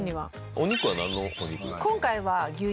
お肉は何のお肉？